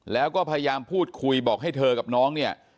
แล้วก็พยายามพูดคุยบอกให้เธอกับน้องเนี่ย